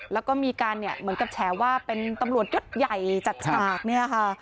แล้วก็มีการแฉว่าเป็นตำรวจยกใหญ่จัดชาก